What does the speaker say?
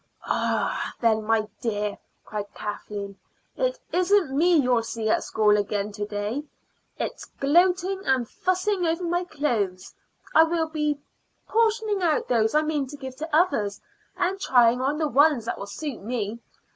"Arrah, then, my dear!" cried Kathleen, "it isn't me you'll see at school again to day. It's gloating and fussing over my clothes I will be portioning out those I mean to give to others, and trying on the ones that will suit me.